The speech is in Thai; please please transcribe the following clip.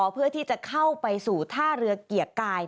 เพื่อที่จะเข้าไปสู่ท่าเรือเกียรติกาย